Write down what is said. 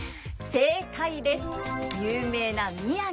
正解です。